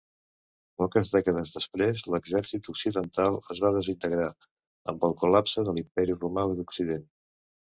Poques dècades després l'exèrcit occidental es va desintegrar amb el col·lapse de l'Imperi romà d'occident.